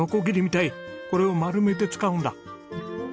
これを丸めて使うんだ。